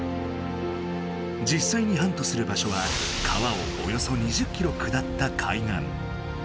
じっさいにハントする場所は川をおよそ２０キロ下った海岸。